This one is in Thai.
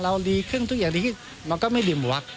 เราลีเครื่องทุกอย่างนี้มันก็ไม่ดินวัก